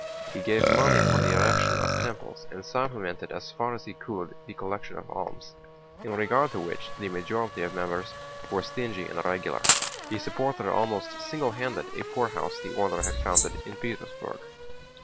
He gave money for the erection of temples and supplemented as far as he could the collection of alms, in regard to which the majority of members were stingy and irregular. He supported almost singlehanded a poorhouse the order had founded in Petersburg.